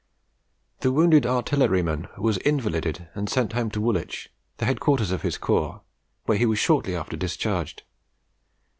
The wounded artilleryman was invalided and sent home to Woolwich, the headquarters of his corps, where he was shortly after discharged.